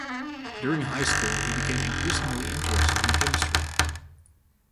During high school he became increasingly interested in chemistry.